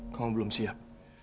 kamu belum siap